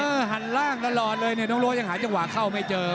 เออหั่นล่างตลอดเลยเนี่ยน้องโลวช่างหาเจาะเข้าไม่เจอ